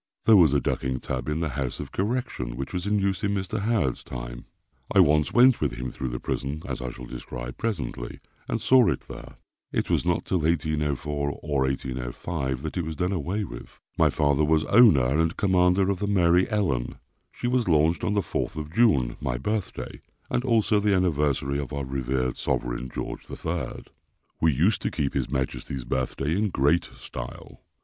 There was a ducking tub in the House of Correction, which was in use in Mr. Howard's time. I once went with him through the prison (as I shall describe presently) and saw it there. It was not till 1804 or 1805 that it was done away with. My father was owner and commander of the Mary Ellen. She was launched on the 4th of June, my birthday, and also the anniversary of our revered sovereign, George III. We used to keep his majesty's birthday in great style.